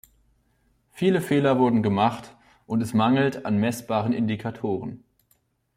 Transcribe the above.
Viele Fehler wurden gemacht, und es mangelt an messbaren Indikatoren.